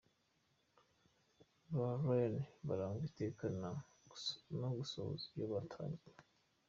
Ba Rayane barangwa iteka no gusohoza ibyo batangiye